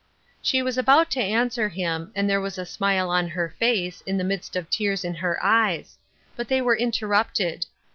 She was about to answer him, and there was A smile on her face, in the midst of tears in her eyes ; but they were interrupted.